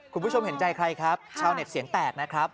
คุณผู้ชมเห็นใจใครครับชาวเน็ตเสียงแตกนะครับ